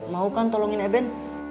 mau kan tolongin eben